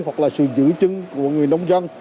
hoặc là sự giữ chứng của người nông dân